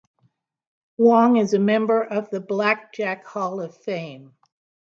Wong is a member of the Blackjack Hall of Fame.